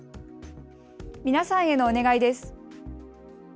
皆さんへのお願いです。